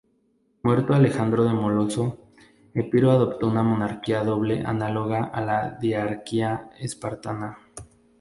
Muerto Alejandro el Moloso, Epiro adoptó una monarquía doble, análoga a la diarquía espartana.